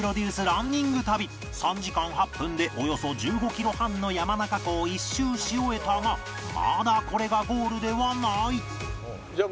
ランニング旅３時間８分でおよそ１５キロ半の山中湖を一周し終えたがまだこれがゴールではない